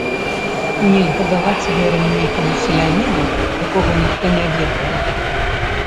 Нельга даваць веры нейкаму селяніну, якога ніхто не ведае.